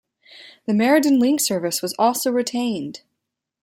The MerredinLink service was also retained.